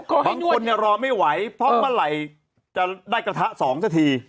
นี่นะฮะบางคนเนี่ยรอไม่ไหวเพราะเมื่อไหร่จะได้กระทะสองสักที